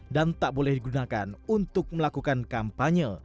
dan tak boleh digunakan untuk melakukan kampanye